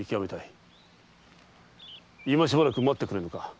今しばらく待ってくれぬか。